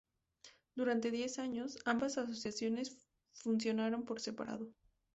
Durante diez años, ambas asociaciones funcionaron por separado.